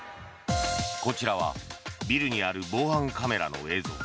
こちらはビルにある防犯カメラの映像。